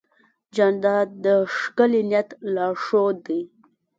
جانداد د ښکلي نیت لارښود دی.